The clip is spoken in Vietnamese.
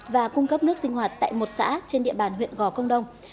và cung cấp nước sinh hoạt tại một xã trên địa bàn huyện gò công đông